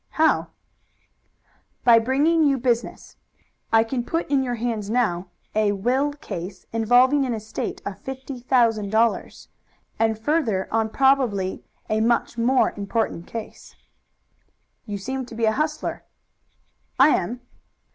"How?" "By bringing you business. I can put in your hands now a will case involving an estate of fifty thousand dollars, and further on probably a much more important case." "You seem to be a hustler." "I am."